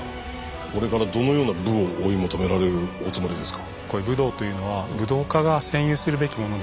これからどのような武を追い求められるおつもりですか？